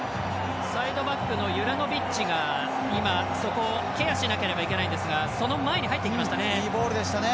サイドバックのユラノビッチがケアしなければいけないんですがその前に入ってきましたね。